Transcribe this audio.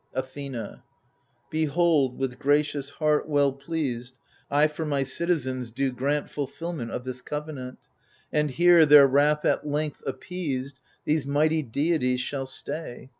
Athena Behold, with gracious heart well pleased I for my citizens do grant Fulfilment of this covenant : And here, their wrath at length appeased, These mighty deities shall stay.